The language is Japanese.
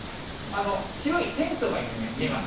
白いテントが見えます。